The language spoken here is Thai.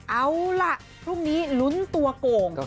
เอาล่ะพรุ่งนี้ลุ้นตัวโก่ง